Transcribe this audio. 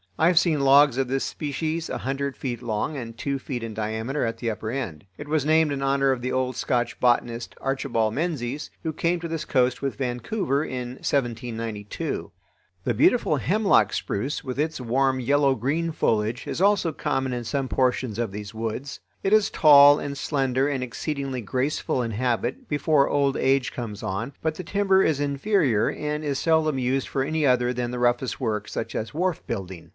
I have seen logs of this species a hundred feet long and two feet in diameter at the upper end. It was named in honor of the old Scotch botanist Archibald Menzies, who came to this coast with Vancouver in 1792. The beautiful hemlock spruce with its warm yellow green foliage is also common in some portions of these woods. It is tall and slender and exceedingly graceful in habit before old age comes on, but the timber is inferior and is seldom used for any other than the roughest work, such as wharf building.